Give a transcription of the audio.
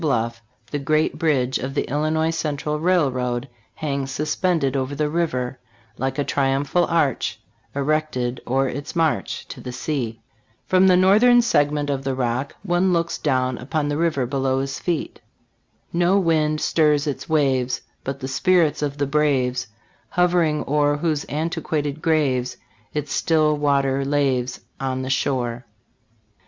bluff, the great bridge of the Illinois Central Railroad hangs suspended over the river, Like a triumphal arch Erected o'er its march To the sea. From the northern segment of the Rock, one looks down upon the river be low his feet. "No wind stirs its waves, But the spirits of the braves Hov'ring o'er, Whose antiquated graves Its still water laves On the shore."